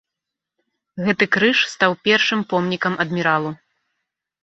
Гэты крыж стаў першым помнікам адміралу.